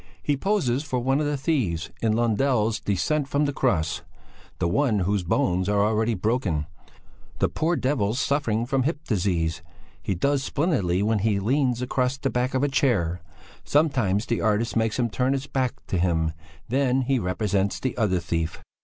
"He poses for one of the thieves in Lundell's "Descent from the Cross," the one whose bones are already broken; the poor devil's suffering from hip disease; he does splendidly when he leans across the back of a chair; sometimes the artist makes him turn his back to him; then he represents the other thief."